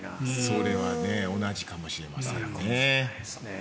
それは同じかもしれませんね。